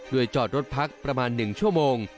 โดยจอดรถพักประมาณ๑ชั่วโมง